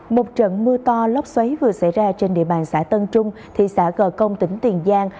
một trận mưa to lốc xoáy vừa xảy ra trên địa bàn xã tân trung thị xã gò công tỉnh tiền giang